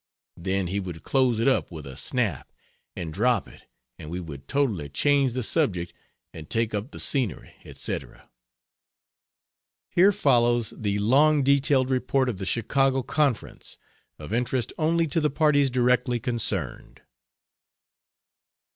Then he would close it up with a snap and drop it and we would totally change the subject and take up the scenery, etc. (Here follows the long detailed report of the Chicago conference, of interest only to the parties directly concerned.)